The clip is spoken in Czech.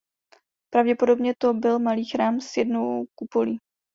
Pravděpodobně to byl malý chrám s jednou kupolí.